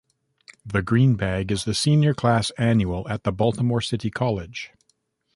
"The Green Bag" is the senior class annual at the Baltimore City College.